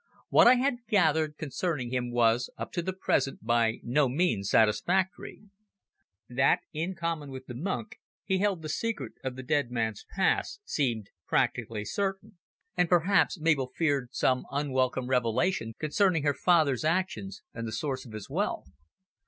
What I had gathered concerning him was, up to the present, by no means satisfactory. That, in common with the monk, he held the secret of the dead man's past seemed practically certain, and perhaps Mabel feared some unwelcome revelation concerning her father's actions and the source of his wealth.